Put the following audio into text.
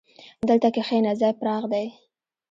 دلته کښېنه، ځای پراخ دی.